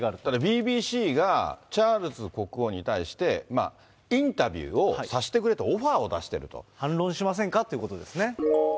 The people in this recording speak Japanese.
ＢＢＣがチャールズ国王に対して、インタビューをさせてくれと、反論しませんかということですね。